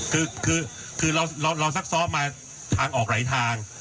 คือเราซักซ้อมมาทางออกหลายทาง